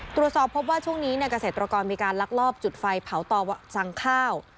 ตรวจสอบพบว่าช่วงนี้เกษตรกรมีการลักลอบจุดไฟเผาต่อสั่งข้าว